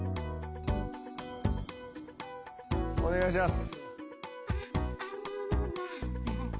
お願いします。